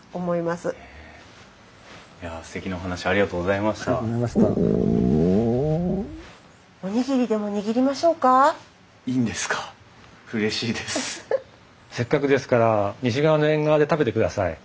せっかくですから西側の縁側で食べてください。